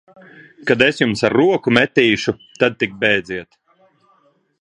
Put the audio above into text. Kad es jums ar roku metīšu, tad tik bēdziet!